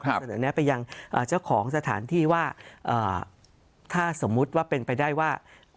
เสนอแนะไปยังเจ้าของสถานที่ว่าถ้าสมมุติว่าเป็นไปได้ว่า